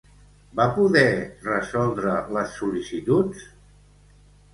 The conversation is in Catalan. Va poder resoldre les sol·licituds?